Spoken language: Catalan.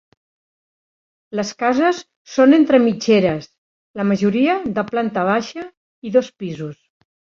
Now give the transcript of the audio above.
Les cases són entre mitgeres, la majoria de planta baixa i dos pisos.